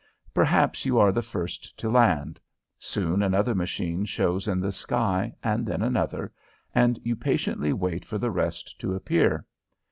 Perhaps you are the first to land. Soon another machine shows in the sky, then another, and you patiently wait for the rest to appear.